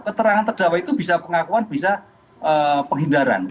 keterangan terdakwa itu bisa pengakuan bisa penghindaran